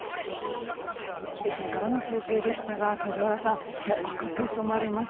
北京からの中継でしたが梶原さん、紅く染まる街